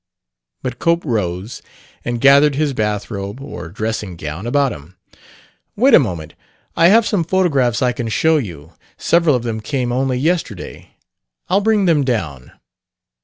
But Cope rose, and gathered his bathrobe or dressing gown about him. "Wait a moment. I have some photographs I can show you several of them came only yesterday. I'll bring them down."